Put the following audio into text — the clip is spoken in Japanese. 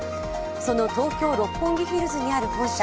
その東京・六本木ヒルズにある本社。